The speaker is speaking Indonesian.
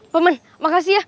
pemen makasih ya